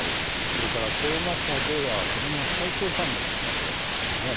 それからコロナ禍では子どもの体調管理もしなければなりませんね。